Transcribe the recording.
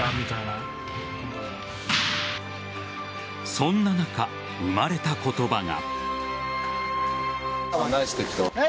そんな中、生まれた言葉が。